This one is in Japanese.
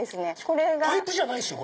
パイプじゃないっすよ？